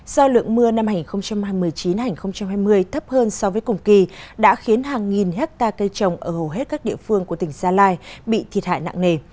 do lượng mưa năm hai nghìn một mươi chín hai nghìn hai mươi thấp hơn so với cùng kỳ đã khiến hàng nghìn hectare cây trồng ở hầu hết các địa phương của tỉnh gia lai bị thiệt hại nặng nề